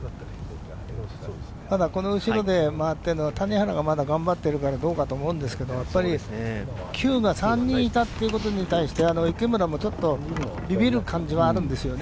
ただ、この後ろで待っているのは谷原がまだ頑張ってるからどうかと思うんですけど、やっぱり９が３人いたということに対して、池村もちょっとビビる感じはあるんですよね。